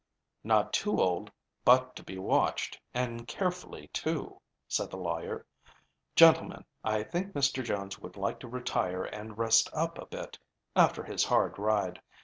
"Not too old but to be watched, and carefully, too," said the lawyer. "Gentlemen, I think Mr. Jones would like to retire and rest up a bit, after his hard ride.